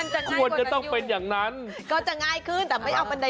ถูกต้องเป็นอย่างนั้น